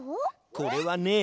これはね